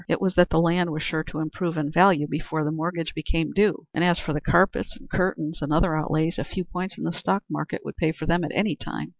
It was that the land was sure to improve in value before the mortgage became due, and as for the carpets and curtains and other outlays, a few points in the stock market would pay for them at any time.